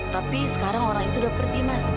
tapi sekarang orang itu udah pergi mas